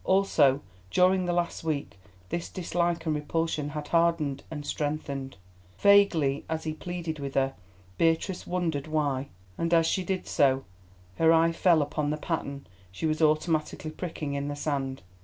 Also, during the last week this dislike and repulsion had hardened and strengthened. Vaguely, as he pleaded with her, Beatrice wondered why, and as she did so her eye fell upon the pattern she was automatically pricking in the sand.